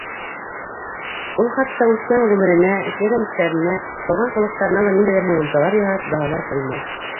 Ул хатта үткән ғүмеренә, эшләгән эштәренә, ҡылған ҡылыҡтарына ла ниндәйҙер һығымталар яһап, баһалар ҡуймай.